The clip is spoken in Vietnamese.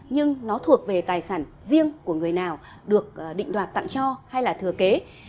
nhưng nó thuộc về tài sản riêng của người nào được định đoạt tặng cho hay là thừa kế